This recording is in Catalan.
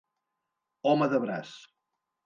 Home de braç.